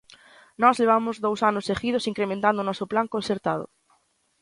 Nós levamos dous anos seguidos incrementando o noso plan concertado.